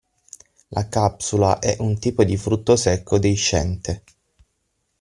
La capsula è un tipo di frutto secco deiscente.